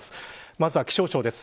まずは気象庁です。